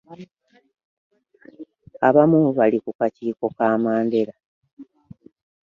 Abamu abaali ku kakiiko ka Mandela.